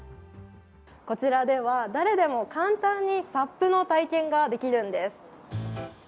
こちらでは誰でも簡単にＳＵＰの体験ができるんです。